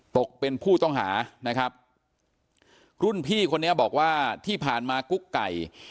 ตกเป็นผู้ต้องหานะครับรุ่นพี่คนนี้บอกว่าที่ผ่านมากุ๊กไก่